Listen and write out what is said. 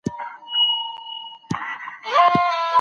اعزاز او درناوی د انسان اخلاقي دنده ده.